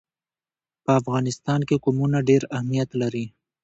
په افغانستان کې قومونه ډېر اهمیت لري.